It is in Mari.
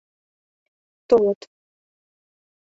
Толыт...